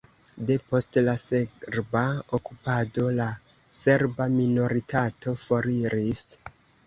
Depost la serba okupado la serba minoritato foriris.